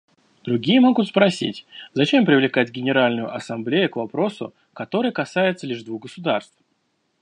Другие могут спросить: зачем привлекать Генеральную Ассамблею к вопросу, который касается лишь двух государств?